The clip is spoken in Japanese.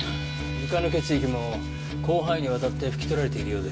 床の血液も広範囲にわたって拭き取られているようです。